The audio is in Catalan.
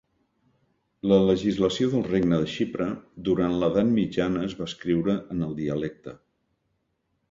La legislació del Regne de Xipre durant l'edat mitjana es va escriure en el dialecte.